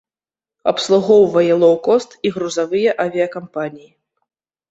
Абслугоўвае лоў-кост і грузавыя авіякампаніі.